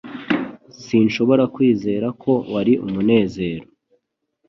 Sinshobora kwizera ko wari umunezero.